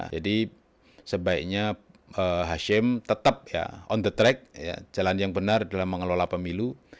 jadi sebaiknya hashim tetap on the track jalan yang benar dalam mengelola pemilu